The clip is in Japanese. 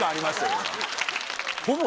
今。